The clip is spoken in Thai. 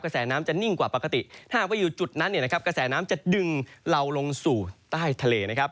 แสน้ำจะนิ่งกว่าปกติถ้าหากว่าอยู่จุดนั้นเนี่ยนะครับกระแสน้ำจะดึงเราลงสู่ใต้ทะเลนะครับ